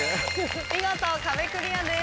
見事壁クリアです。